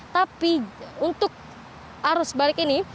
tapi untuk arus balik ini